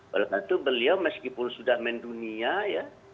walau satu beliau meskipun sudah mendunia ya